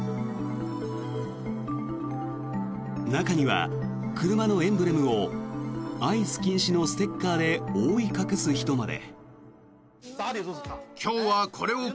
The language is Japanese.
中には車のエンブレムをアイス禁止のステッカーで覆い隠す人まで。